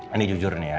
ini jujur nih ya